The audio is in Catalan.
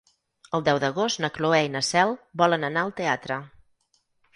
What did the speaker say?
El deu d'agost na Cloè i na Cel volen anar al teatre.